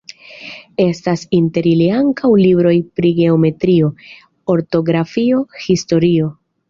Estas inter ili ankaŭ libroj pri geometrio, ortografio, historio.